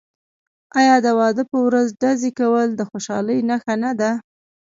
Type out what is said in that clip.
آیا د واده په ورځ ډزې کول د خوشحالۍ نښه نه ده؟